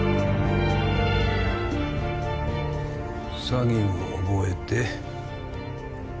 詐欺を覚えて